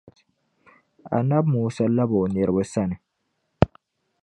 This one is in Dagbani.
Annabi Musa labi o niriba sani